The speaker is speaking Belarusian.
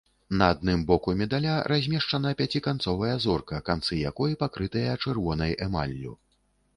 На адным боку медаля размешчана пяціканцовая зорка, канцы якой пакрытыя чырвонай эмаллю.